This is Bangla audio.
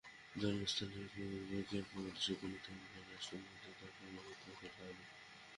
জন্মস্থান পূর্ব কেপ প্রদেশের কুনু গ্রামে তাঁকে রাষ্ট্রীয় মর্যাদায় সমাহিত করা হবে।